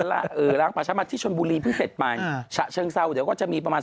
เป็นจริงจริงไหม